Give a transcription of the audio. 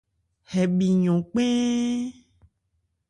Hɛ bhi yɔn kpɛ́ɛ́n.